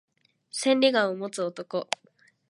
千里眼を持つ男